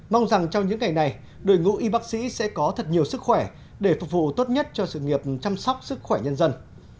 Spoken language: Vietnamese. mong rằng trong những ngày này đội ngũ y bác sĩ sẽ có thật nhiều sức khỏe để phục vụ tốt nhất cho sự nghiệp chăm sóc sức khỏe nhân dân